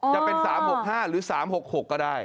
จะเป็น๓๖๕หรือ๓๖๖ก็ได้